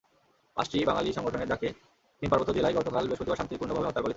পাঁচটি বাঙালি সংগঠনের ডাকে তিন পার্বত্য জেলায় গতকাল বৃহস্পতিবার শান্তিপূর্ণভাবে হরতাল পালিত হয়েছে।